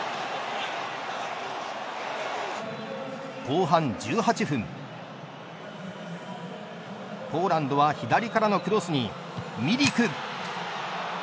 後半１８分ポーランドは左からのクロスにミリク。